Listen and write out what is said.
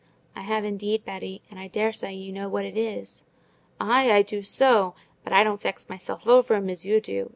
"I have, indeed, Betty; and I daresay you know what it is." "Ay, I do so! But I don't vex myself o'er 'em as you do.